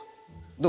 どう？